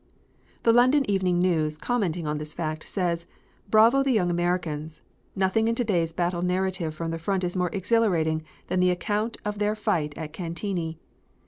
The London Evening News commenting on this fact says: "Bravo the young Americans! Nothing in today's battle narrative from the front is more exhilarating than the account of their fight at Cantigny.